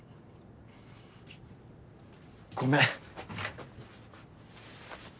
ごめん。